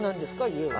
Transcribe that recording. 家は。